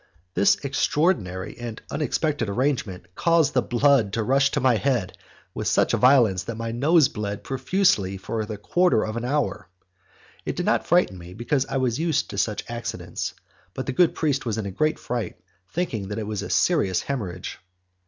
This extraordinary and unexpected arrangement caused the blood to rush to my head with such violence that my nose bled profusely for a quarter of an hour. It did not frighten me, because I was used to such accidents, but the good priest was in a great fright, thinking that it was a serious haemorrhage.